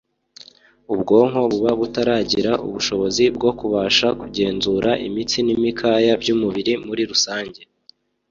ubwonko buba butaragira ubushobozi bwo kubasha kugenzura imitsi n’imikaya by’umubiri muri rusange